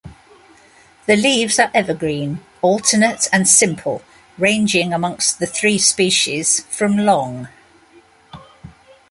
The leaves are evergreen, alternate and simple, ranging amongst the three species from long.